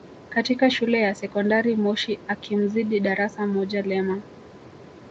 katika Shule ya Sekondari Moshi akimzidi darasa moja Lema